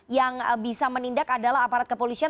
yang bisa menindak adalah aparat kepolisian